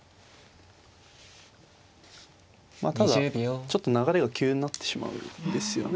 まあただちょっと流れが急になってしまうんですよね。